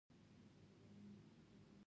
په خالد پښتون منځګړیتوب خلاصه شوه.